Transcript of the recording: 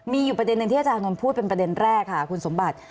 มีอยู่ประเด็นหนึ่งที่อาจารย์นนท์พูดเป็นประเด็นแรกค่ะคุณสมบัติ